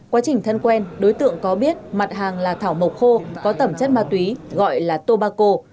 quá trình thân quen đối tượng có biết mặt hàng là thảo mộc khô có tẩm chất ma túy gọi là tobacco